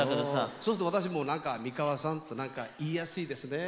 そうすると私も何か「美川さん」って何か言いやすいですね。